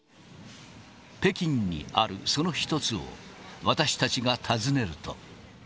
北京にあるその１つを私たちが訪ねると。